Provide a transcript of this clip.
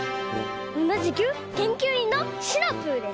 おなじくけんきゅういんのシナプーです。